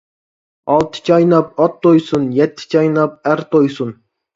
ئالتە چايناپ ئات تويسۇن، يەتتە چايناپ ئەر تويسۇن.